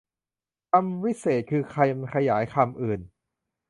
คำวิเศษณ์ คือคำขยายคำอื่น